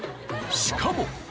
しかも。